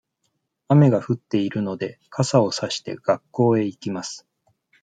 雨が降っているので、傘をさして、学校へ行きます。